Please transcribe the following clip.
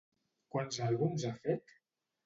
Quants àlbums ha fet?